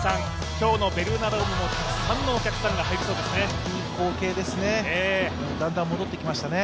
今日のベルーナドームもたくさんのお客さんが入っていますね。